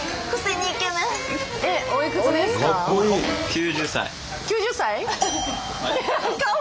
９０歳？